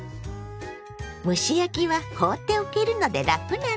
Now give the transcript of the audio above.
蒸し焼きは放っておけるので楽なの。